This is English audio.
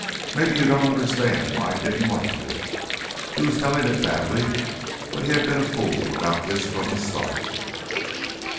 Maybe you don't understand why I didn't want to." He was telling it badly, but he'd been a fool about this from the start.